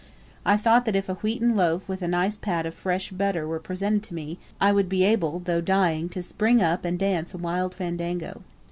I thought that if a wheaten loaf with a nice pat of fresh butter were presented to me, I would be able, though dying, to spring up and dance a wild fandango.